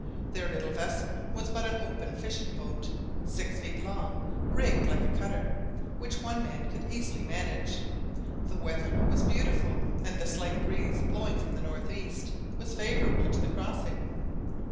Their little vessel was but an open fishing boat, six feet long, rigged like a cutter, which one man could easily manage. The weather was beautiful, and the slight breeze blowing from the north east was favourable to the crossing.